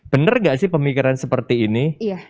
bener gak sih pemikiran seperti ini